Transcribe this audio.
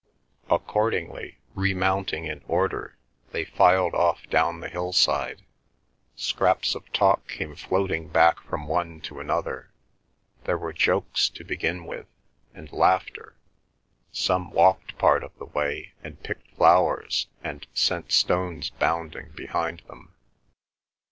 Accordingly, remounting in order, they filed off down the hillside. Scraps of talk came floating back from one to another. There were jokes to begin with, and laughter; some walked part of the way, and picked flowers, and sent stones bounding before them.